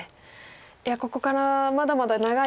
いやここからまだまだ長いヨセ勝負が。